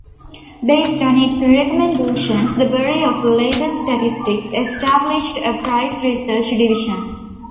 Based on its recommendations, the Bureau of Labor Statistics established a price research division.